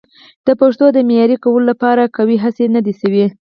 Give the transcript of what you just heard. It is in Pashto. د پښتو د معیاري کولو لپاره قوي هڅې نه دي شوي.